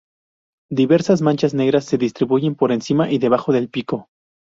Diversas manchas negras se distribuyen por encima y debajo del pico.